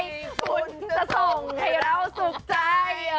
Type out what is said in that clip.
คุณจะส่งให้เราสุขใจ